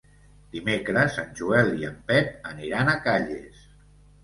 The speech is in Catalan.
Dimecres en Joel i en Pep aniran a Calles.